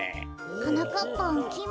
はなかっぱんきん